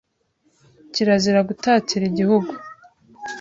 Kirazira gutatira Igihugu .